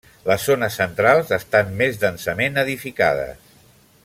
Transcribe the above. Les zones centrals estan més densament edificades.